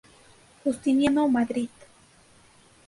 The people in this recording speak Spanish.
Justiniano Madrid.